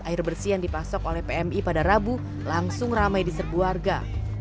air bersih yang dipasok oleh pmi pada rabu langsung ramai di serbu warga